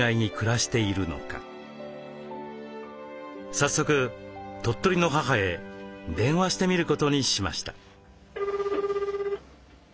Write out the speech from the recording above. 早速鳥取の母へ電話してみることにしました。